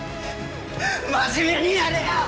真面目にやれよ！